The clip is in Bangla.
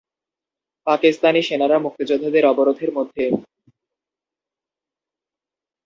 পাকিস্তানি সেনারা মুক্তিযোদ্ধাদের অবরোধের মধ্যে।